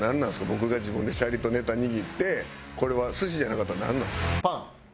僕が自分でシャリとネタ握ってこれは寿司じゃなかったらなんなの？